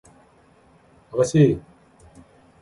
아가씨!